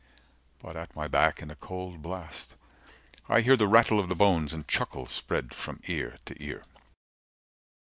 But at my back in a cold blast I hear 185 The rattle of the bones, and chuckle spread from ear to ear.